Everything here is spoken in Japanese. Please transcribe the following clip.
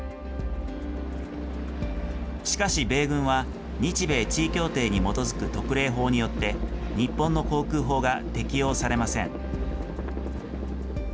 しかし米軍は、日米地位協定に基づく特例法によって、日本の航空法が適用されません。